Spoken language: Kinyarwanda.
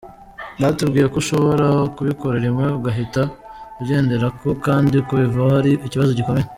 Batubwiye ko ushobora kubikora rimwe ugahita ugenderako kandi kubivaho ari ikibazo gikomeye.